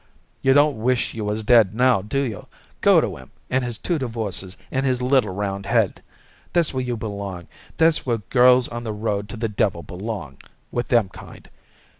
You don't wish you was dead now, do you? Go to him and his two divorces and his little roundhead. That's where you belong; that's where girls on the road to the devil belong with them kind.